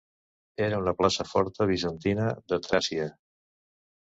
Era una plaça forta bizantina de Tràcia.